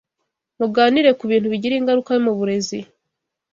Muganire ku bintu bigira ingaruka mu burezi